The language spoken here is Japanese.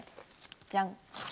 じゃん。